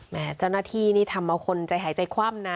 เจ้าหน้าที่นี่ทำเอาคนใจหายใจคว่ำนะ